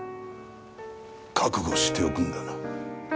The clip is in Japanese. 覚悟しておくんだな。